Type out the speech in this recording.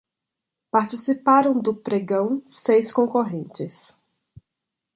Participaram do pregão seis concorrentes